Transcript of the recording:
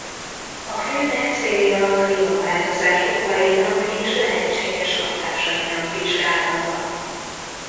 A filmek célja a klímaváltozás okainak és lehetséges hatásainak vizsgálata.